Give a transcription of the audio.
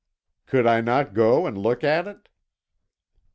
"Could I not go and look at it?"